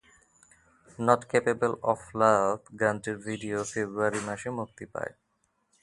"Not capable of love" গানটির video February মাসে মুক্তি পায়।